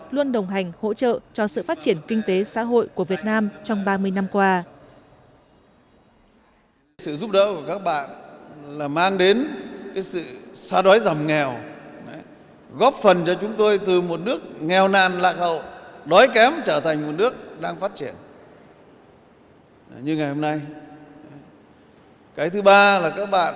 luôn đồng hành hỗ trợ cho sự phát triển kinh tế xã hội của việt nam trong ba mươi năm qua